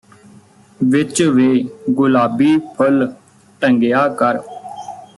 ਵਿਚ ਵੇ ਗੁਲਾਬੀ ਫੁੱਲ ਟੰਗਿਆ ਕਰ